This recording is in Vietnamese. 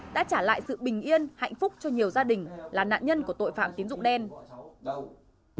đã trả lại sự bình yên hạnh phúc cho nhiều gia đình là nạn nhân của tội phạm tín dụng đen